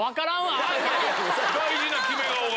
大事な決め顔が！